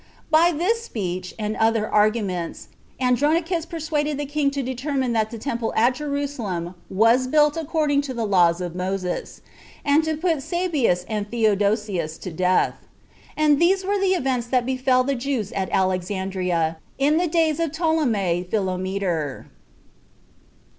By this speech, and other arguments, Andronicus persuaded the king to determine that the temple at Jerusalem was built according to the laws of Moses, 6 and to put Sabbeus and Theodosius to death. And these were the events that befell the Jews at Alexandria in the days of Ptolemy Philometor.